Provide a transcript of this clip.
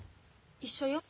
一緒よ。